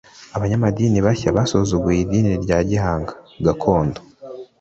abanyamadini mashya basuzuguye idini rya gihanga (gakondo)